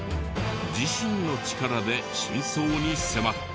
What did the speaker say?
自身の力で真相に迫った。